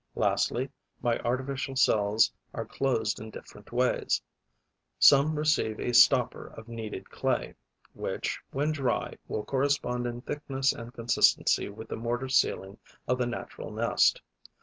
Lastly, my artificial cells are closed in different ways. Some receive a stopper of kneaded clay, which, when dry, will correspond in thickness and consistency with the mortar ceiling of the natural nest.